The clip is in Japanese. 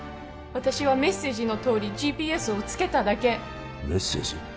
私はメッセージのとおりＧＰＳを付けただけメッセージ？